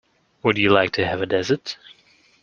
Would you like to have a desert?